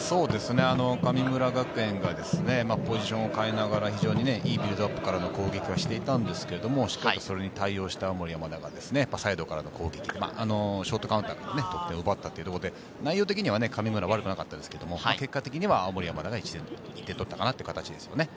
神村学園がポジションを変えながら非常にいいビルドアップからの攻撃はしていたんですけど、しっかりそれに対応した青森山田がサイドからの攻撃、ショートカウンターから得点を奪ったところで、内容は神村悪くなかったですけど、結果的には青森山田が１点とった形ですね。